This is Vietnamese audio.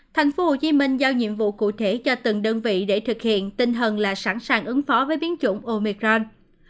thành phố hồ chí minh giao nhiệm vụ cụ thể cho từng đơn vị để thực hiện tinh hần là sẵn sàng ứng phó với biến chủng omicron